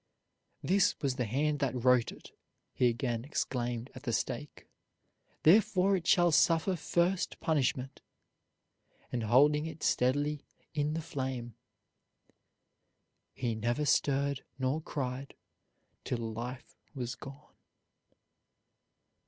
"This was the hand that wrote it," he again exclaimed at the stake, "therefore it shall suffer first punishment"; and holding it steadily in the flame, "he never stirred nor cried till life was gone."